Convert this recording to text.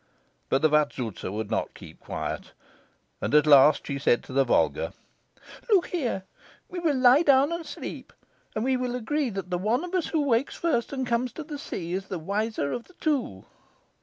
But the Vazouza would not keep quiet, and at last she said to the Volga: "Look here, we will lie down and sleep, and we will agree that the one of us who wakes first and comes first to the sea is the wiser of the two."